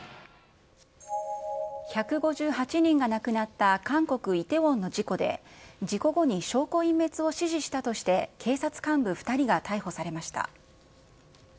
１５８人が亡くなった韓国・イテウォンの事故で、事故後に証拠隠滅を指示したとして、警察幹部２人が逮捕されました。